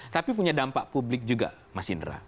tapi punya dampak publik juga mas indra